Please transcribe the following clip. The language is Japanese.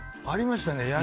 ありましたね。